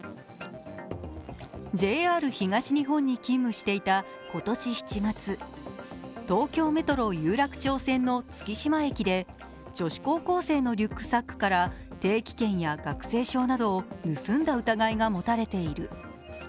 ＪＲ東日本に勤務していた今年７月東京メトロ有楽町線の月島駅で、女子高校生のリュックサックから定期券や学生証などを盗んだ疑いが持たれている。